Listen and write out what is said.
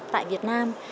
tại việt nam